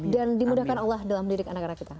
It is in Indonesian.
dan dimudahkan allah dalam didik anak anak kita